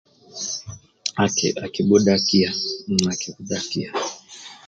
Akibhudhakia akibhudhakia